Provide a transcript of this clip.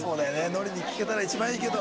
のりに聞けたら一番いいけど。